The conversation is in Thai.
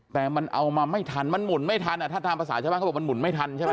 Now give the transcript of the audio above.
แต่มันเอามาไม่ทันมันหมุนไม่ทันอ่ะถ้าตามภาษาชาวบ้านเขาบอกมันหุ่นไม่ทันใช่ไหม